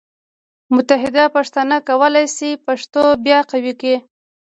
متحد پښتانه کولی شي پښتو بیا قوي کړي.